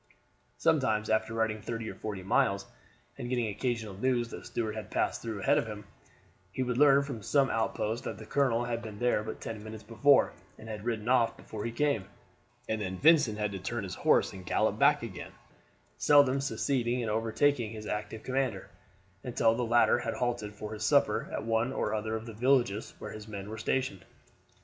Sometimes after riding thirty or forty miles, and getting occasional news that Stuart had passed through ahead of him, he would learn from some outpost that the colonel had been there but ten minutes before, and had ridden off before he came, and then Vincent had to turn his horse and gallop back again, seldom succeeding in overtaking his active commander until the latter had halted for his supper at one or other of the villages where his men were stationed.